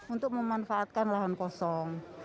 untuk memanfaatkan lahan kosong